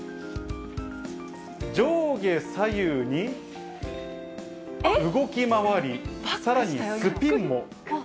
上下左右に動き回り、さらにスピンも。